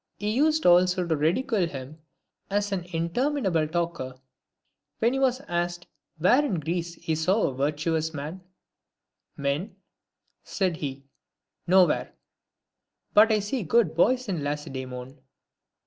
He used also to ridicule him as an interminable talker. When he was asked where in Greece he saw virtuous men ; "Men," said he, " nowhere ; but I see good boys in Lacedas mon."